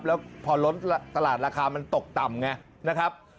แล้วพอล้นตลาดราคามันตกต่ำไงนะครับ